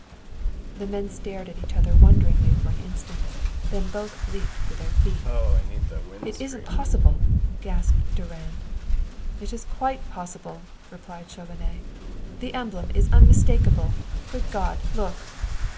_ The men stared at each other wonderingly for an instant, then both leaped to their feet. "It isn't possible!" gasped Durand. "It is quite possible," replied Chauvenet. "The emblem is unmistakable. Good God, look!"